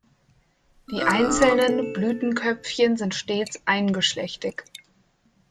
Die einzelnen Blütenköpfchen sind stets eingeschlechtig.